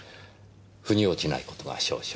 腑に落ちない事が少々。